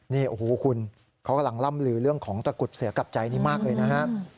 นี่โอ้โหคุณเขากำลังล่ำลือเรื่องของตะกุดเสือกับใจนี้มากเลยนะฮะ